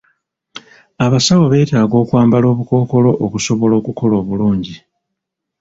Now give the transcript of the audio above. Abasawo beetaaga okwambala obukookolo okusobola okukola obulungi.